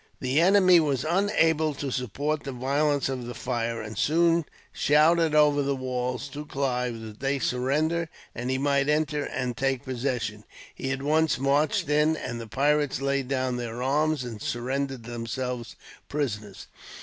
The enemy were unable to support the violence of the fire, and soon shouted over the walls, to Clive, that they surrendered; and he might enter and take possession. He at once marched in, and the pirates laid down their arms, and surrendered themselves prisoners.